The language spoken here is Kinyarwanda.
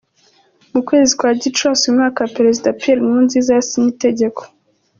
Mu kwezi kwa Gicurasi uyu mwaka Perezida Pierre Nkurunziza yasinye itegeko.